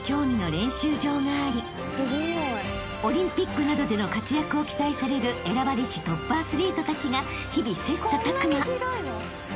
［オリンピックなどでの活躍を期待される選ばれしトップアスリートたちが日々切磋琢磨］